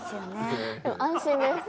安心です。